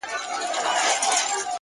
نظم د وړتیا ساتونکی دی!